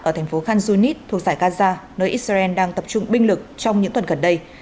ở thành phố khanzunit thuộc dài gaza nơi israel đang tập trung binh lực trong những tuần gần đây